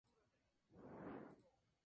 En el cadáver, se requiere la autopsia.